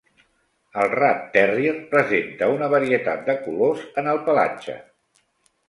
El "rat terrier" presenta una varietat de colors en el pelatge.